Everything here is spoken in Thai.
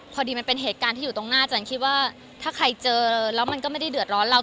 มันเป็นเหตุการณ์ที่อยู่ตรงหน้าจันคิดว่าถ้าใครเจอแล้วมันก็ไม่ได้เดือดร้อนเรา